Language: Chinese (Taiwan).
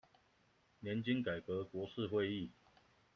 年金改革國是會議